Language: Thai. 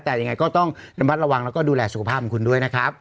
แต่ยังไงก็ต้องระมัดระวังแล้วก็ดูแลสุขภาพของคุณด้วยนะครับ